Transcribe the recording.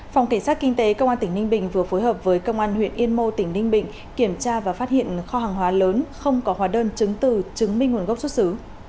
phòng cảnh sát kinh tế công an tỉnh ninh bình vừa phối hợp với công an huyện yên mô tỉnh ninh bình kiểm tra và phát hiện kho hàng hóa lớn không có hóa đơn chứng từ chứng minh nguồn gốc xuất xứ